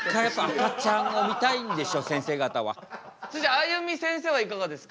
あゆみせんせいはいかがですか？